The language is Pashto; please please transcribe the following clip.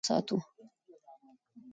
موږ باید تل هیله او هڅه ژوندۍ وساتو